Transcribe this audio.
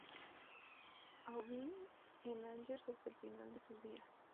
Aubin" en Angers hasta el final de sus días.